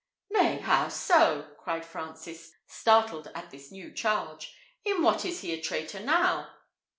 "Nay, how so?" cried Francis, startled at this new charge. "In what is he a traitor now?"